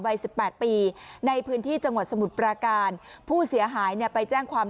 สิบแปดปีในพื้นที่จังหวัดสมุทรปราการผู้เสียหายเนี่ยไปแจ้งความ